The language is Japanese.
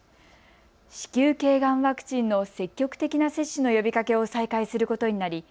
子宮頸がんワクチンの積極的な接種の呼びかけを再開することになり